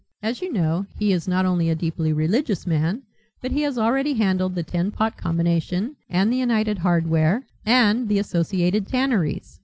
As you know he is not only a deeply religious man but he has already handled the Tin Pot Combination and the United Hardware and the Associated Tanneries.